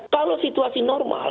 kalau situasi normal